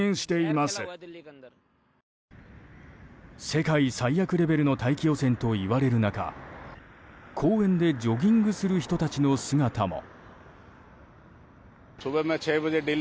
世界最悪レベルの大気汚染といわれる中公園でジョギングする人たちの姿も。